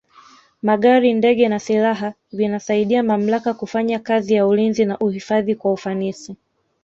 magari ndege na silaha vinasaidia mamlaka kufanya kazi ya ulinzi na uhifadhi kwa ufanisi